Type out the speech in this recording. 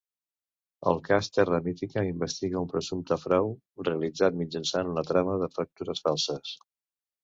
El Cas Terra Mítica investiga un presumpte frau realitzat mitjançant una trama de factures falses.